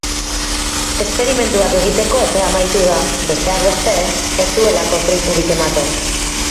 Esperimentuak egiteko epea amaitu da, besteak beste, ez duelako fruiturik ematen.